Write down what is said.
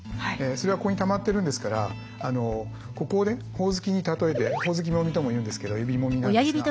それはここにたまってるんですからここをねほおずきに例えてほおずきもみとも言うんですけど指もみなんですが。